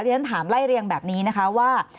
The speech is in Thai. ฉันถามไล่เรียงแบบนี้นะคะว่า